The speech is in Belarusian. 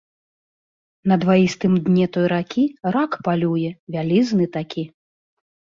На дваістым дне той ракі рак палюе, вялізны такі.